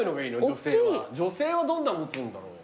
女性はどんなの持つんだろう？